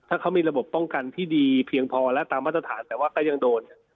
ถ้าเขามีระบบป้องกันที่ดีเพียงพอและตามมาตรฐานแต่ว่าก็ยังโดน